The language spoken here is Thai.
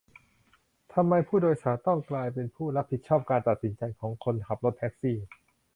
ทำไมผู้โดยสารต้องกลายเป็นผู้รับผิดชอบการตัดสินใจของคนขับรถแท็กซี่ ?